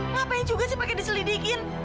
ngapain juga sih pakai diselidikin